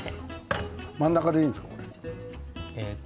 真ん中でいいですか？